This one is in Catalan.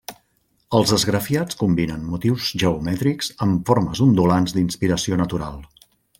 Els esgrafiats combinen motius geomètrics amb formes ondulants d'inspiració natural.